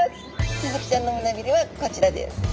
スズキちゃんの胸びれはこちらです。